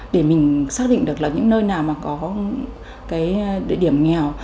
để mình xác định được là những nơi nào mà có cái địa điểm nghèo